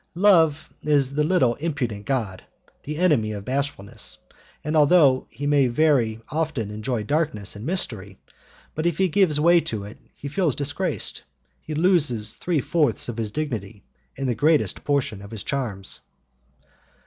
Love is the little impudent god, the enemy of bashfulness, although he may very often enjoy darkness and mystery, but if he gives way to it he feels disgraced; he loses three fourths of his dignity and the greatest portion of his charms.